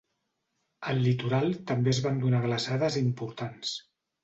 Al litoral també es van donar glaçades importants.